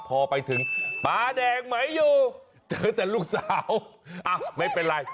พอไปถึงปลาแดงไหมอยู่เจอแต่ลูกสาวไม่เป็นไร